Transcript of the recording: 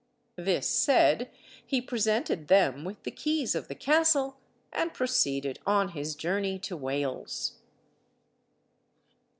This said, he presented them with the keys of the castle, and proceeded on his journey to Wales.